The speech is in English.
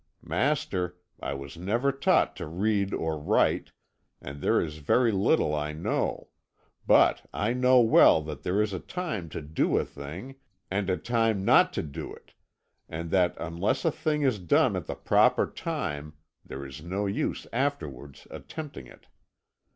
Master, I was never taught to read or write, and there is very little I know but I know well that there is a time to do a thing and a time not to do it, and that unless a thing is done at the proper time, there is no use afterwards attempting it.